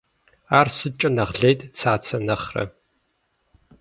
Ар сыткӏэ нэхъ лейт Цацэ нэхърэ?